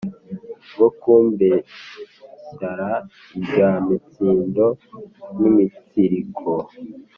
bwokumubeshyara irya mitsindo nimitsiriko